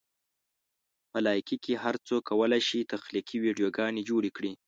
په لایکي کې هر څوک کولی شي تخلیقي ویډیوګانې جوړې کړي.